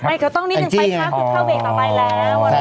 ก็ต้องนี้จะไปครับสุดท้ายเบตต่อไปแล้ว